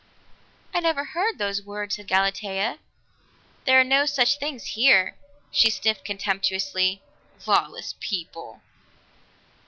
"I never heard those words," said Galatea. "There are no such things here." She sniffed contemptuously. "Lawless people!"